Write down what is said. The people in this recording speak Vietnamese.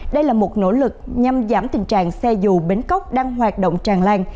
đây là một nỗ lực nhằm giảm tình trạng xe dù bến cóc đang hoạt động tràn lan